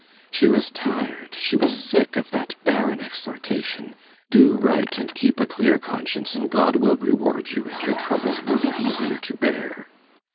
She was tired, she was sick of that barren exhortation Do right, and keep a clear conscience, and God will reward you, and your troubles will be easier to bear.